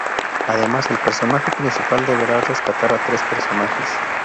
Además, el personaje principal deberá rescatar a tres personajes.